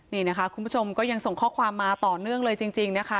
นี่นะคะคุณผู้ชมก็ยังส่งข้อความมาต่อเนื่องเลยจริงนะคะ